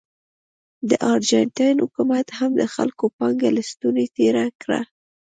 د ارجنټاین حکومت هم د خلکو پانګه له ستونې تېره کړه.